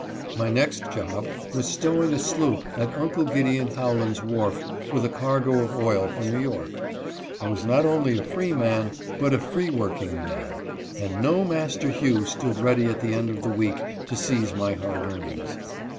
My next job was stowing a sloop at Uncle Gid. Howland's wharf with a cargo of oil for New York. I was not only a freeman but a free working man, and no master Hugh stood ready at the end of the week to seize my hard earnings.